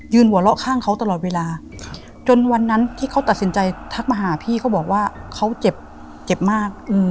หัวเราะข้างเขาตลอดเวลาจนวันนั้นที่เขาตัดสินใจทักมาหาพี่เขาบอกว่าเขาเจ็บเจ็บมาก